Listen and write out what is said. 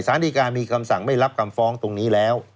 สารดีการมีคำสั่งไม่รับคำฟ้องตรงนี้แล้ว